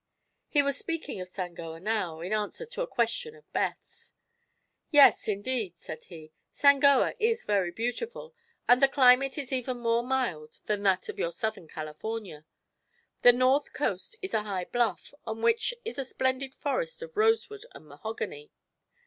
He was speaking of Sangoa now, in answer to a question of Beth's. "Yes, indeed," said he, "Sangoa is very beautiful, and the climate is even more mild than that of your Southern California. The north coast is a high bluff, on which is a splendid forest of rosewood and mahogany.